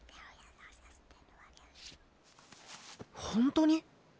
本当に？